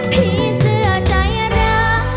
ผีเสือใจร้าย